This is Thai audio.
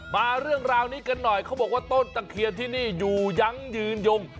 มาเรื่องราวนี้กันหน่อยเขาบอกว่าต้นตะเคียนที่นี่อยู่ยั้งยืนยง